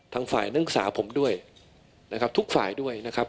ทางฝ่ายนักศึกษาผมด้วยนะครับทุกฝ่ายด้วยนะครับ